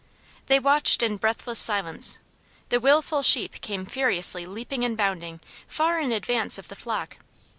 They watched in breathless silence. The willful sheep came furiously leaping and bounding far in advance of the flock.